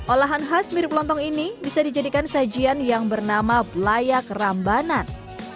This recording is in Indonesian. olahan khas mirip lontong ini bisa dijadikan sajian yang bernama belayak rambanan